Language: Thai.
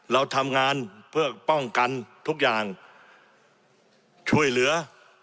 เราทำงานเพื่อป้องกันทุกอย่างช่วยเหลือ